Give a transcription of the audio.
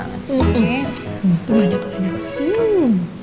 tuna aja boleh enak